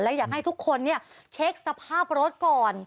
และอยากให้ทุกคนเช็คสภาพรถก่อน